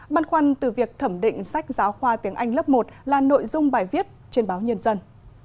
băn khoăn từ việc thẩm định sách giáo khoa tiếng anh lớp một là nội dung bài viết trên báo nhân dân